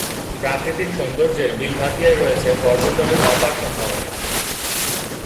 প্রাকৃতিক সৌন্দর্যের বিলভাতিয়ায় রয়েছে পর্যটনের অপার সম্ভাবনা।